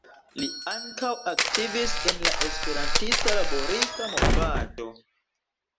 Li ankaŭ aktivis en la esperantista laborista movado.